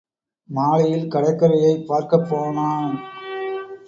மாலையில் கடற்கரையைப் பார்க்கப் போனான்.